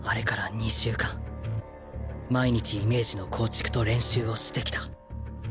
２週間毎日イメージの構築と練習をしてきた。